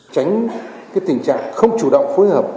tránh tình trạng không chủ động phối hợp